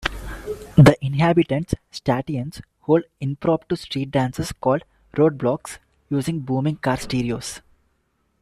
The inhabitants, "Statians", hold impromptu street dances called "road blocks", using booming car stereos.